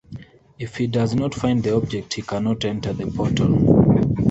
If he does not find the object, he cannot enter the portal.